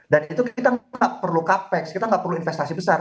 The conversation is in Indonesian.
dan itu kita nggak perlu capex kita nggak perlu investasi besar